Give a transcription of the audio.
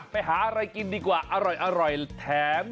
ไปหาอะไรกินดีกว่าอร่อยแถม